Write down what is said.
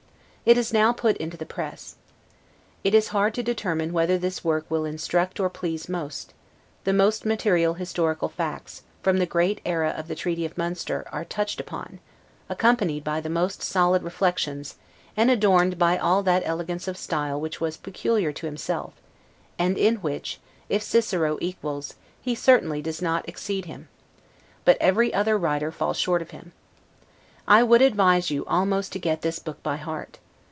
It is now put into the press. It is hard to determine whether this work will instruct or please most: the most material historical facts, from the great era of the treaty of Munster, are touched upon, accompanied by the most solid reflections, and adorned by all that elegance of style which was peculiar to himself, and in which, if Cicero equals, he certainly does not exceed him; but every other writer falls short of him. I would advise you almost to get this book by heart.